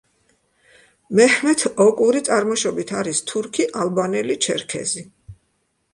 მეჰმეთ ოკური წარმოშობით არის თურქი, ალბანელი, ჩერქეზი.